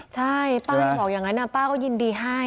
ใช่ป้าบอกอย่างนั้นป้าก็ยินดีให้